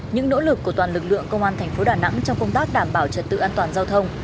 những nỗ lực của toàn lực lượng công an thành phố đà nẵng trong công tác đảm bảo trật tự an toàn giao thông